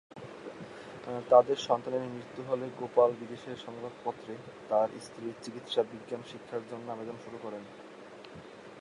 তাদের সন্তানের মৃত্যু হলে গোপাল বিদেশের সংবাদপত্রে তার স্ত্রীর চিকিৎসা বিজ্ঞান শিক্ষার জন্য আবেদন শুরু করেন।